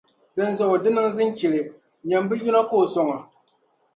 Dinzuɣu di niŋ zinchili. Nyam bɛ yino ka o sɔŋ a.